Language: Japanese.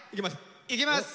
いきます。